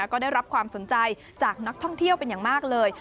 ก็ได้รับความสนใจจากนักท่องเที่ยวเป็นอย่างมากเลย